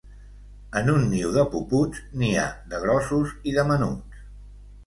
En un niu de puputs, n'hi ha de grossos i de menuts.